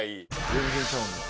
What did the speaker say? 「全然ちゃうんや。